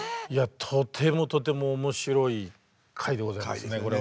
とてもとても面白い回でございますねこれは。